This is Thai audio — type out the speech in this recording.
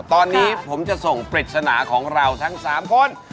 ตอนนี้ผมจะส่งปริศนาของเราทั้ง๓คน